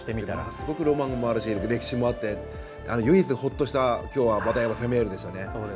すごくロマンがあるし歴史もあるし唯一、ほっとした話題のフェルメールでしたね。